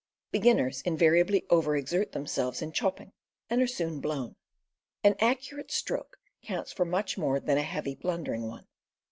Beginners invariably over exert themselves in chop ping, and are soon blown. An accurate stroke counts for much more than a heavy but blundering one.